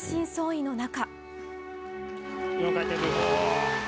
４回転ループ。